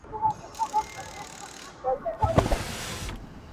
چې د ښه شاعر کیدلو لپاره خلوت